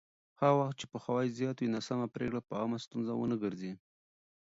هغه وخت چې پوهاوی زیات وي، ناسمه پرېکړه به عامه ستونزه ونه ګرځي.